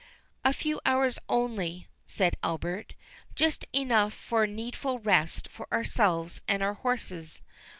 "A few hours only," said Albert—"just enough for needful rest for ourselves and our horses.